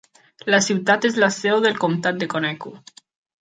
La ciutat és la seu del comtat de Conecuh.